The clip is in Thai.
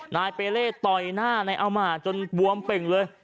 นายเปเล่ต่อยหน้านายอามาจนบวมเป่งเลย